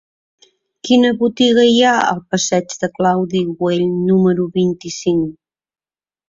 Quina botiga hi ha al passeig de Claudi Güell número vint-i-cinc?